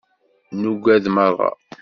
Nuged merra.